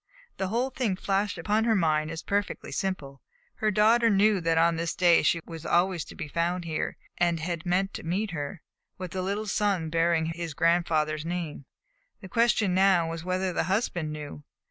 The whole thing flashed upon her mind as perfectly simple. Her daughter knew that on this day she was always to be found here, and had meant to meet her, with the little son bearing his grandfather's name. The question now was whether the husband knew.